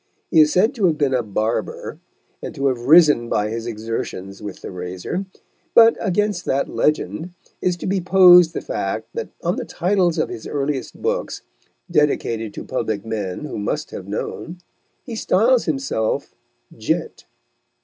He is said to have been a barber, and to have risen by his exertions with the razor; but, against that legend, is to be posed the fact that on the titles of his earliest books, dedicated to public men who must have known, he styles himself "Gent."